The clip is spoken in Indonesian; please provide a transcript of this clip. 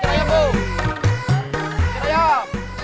cerayam cerayam cerayam